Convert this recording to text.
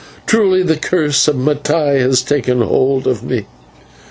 Truly the curse of Mattai has taken hold of me."